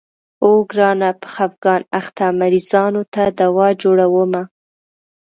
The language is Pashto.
اوو ګرانه په خفګان اخته مريضانو ته دوا جوړومه.